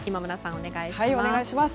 お願いします。